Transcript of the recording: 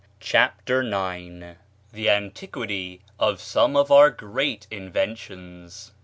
CHAPTER IX. THE ANTIQUITY OF SOME OF OUR GREAT INVENTIONS.